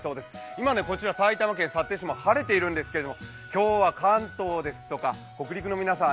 今、こちら埼玉県幸手市も晴れているんですけれども、今日は関東ですとか北陸の皆さん